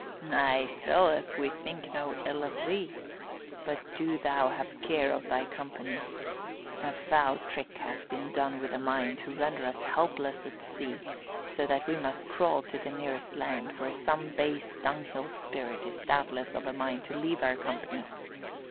"Nay, Philip, we think no ill of thee. But do thou have care to thy company. A foul trick hath been done with a mind to render us helpless at sea, so that we must crawl to the nearest land, where some base dunghill spirit is doubtless of a mind to leave our company.